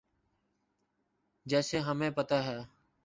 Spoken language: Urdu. جیسے ہمیں پتہ ہے۔